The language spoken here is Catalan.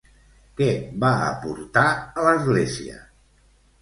Què va aportar a l'Església?